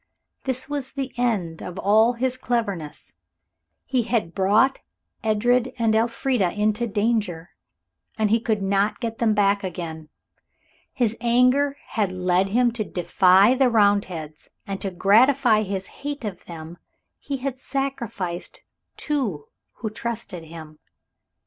This was the end of all his cleverness. He had brought Edred and Elfrida into danger, and he could not get them back again. His anger had led him to defy the Roundheads, and to gratify his hate of them he had sacrificed those two who trusted him.